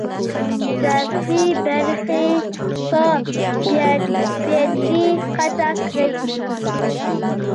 اضافي برخې په بیاتي قطع کړئ.